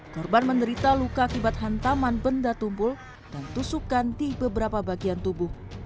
korban menderita luka akibat hantaman benda tumpul dan tusukan di beberapa bagian tubuh